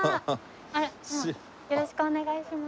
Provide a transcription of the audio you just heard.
よろしくお願いします。